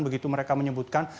begitu mereka menyebutkan